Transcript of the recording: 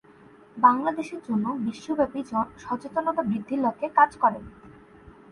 বাংলাদেশের জন্য বিশ্বব্যাপী সচেতনতা বৃদ্ধির লক্ষ্যে কাজ করেন।